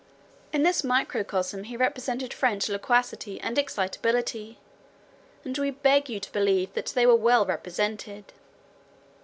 In this microcosm he represented French loquacity and excitability, and we beg you to believe that they were well represented.